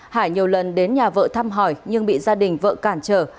hải nhiều lần đến nhà vợ thăm hỏi nhưng bị gia đình vợ cản trở